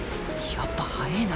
やっぱ速えな